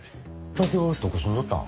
東京どこ住んどったん？